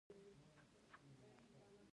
د چاګای کلی موقعیت